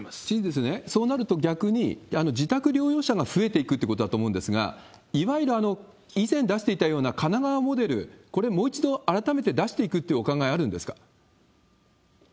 知事、そうなると逆に、自宅療養者が増えていくってことだと思うんですが、いわゆる以前出していたような神奈川モデル、これ、もう一度改めて出していくっていうお考えはあるんですか？